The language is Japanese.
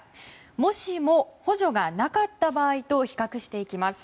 もしも補助がなかった場合と比較していきます。